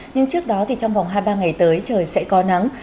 nhưng trước đó thì trong vòng hai mươi ba ngày tới trời sẽ có nắng